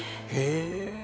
へえ。